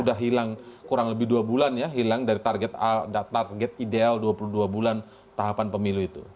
sudah hilang kurang lebih dua bulan ya hilang dari target ideal dua puluh dua bulan tahapan pemilu itu